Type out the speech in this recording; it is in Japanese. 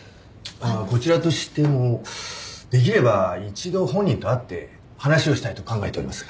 あっこちらとしてもできれば一度本人と会って話をしたいと考えておりますが。